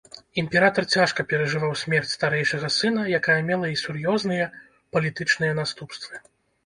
Імператар цяжка перажываў смерць старэйшага сына, якая мела і сур'ёзныя палітычныя наступствы.